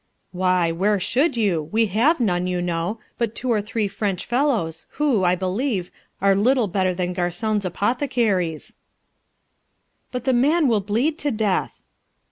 'Why, where should you? We have none, you know, but two or three French fellows, who, I believe, are little better than garçons apothecaires.' 'But the man will bleed to death.'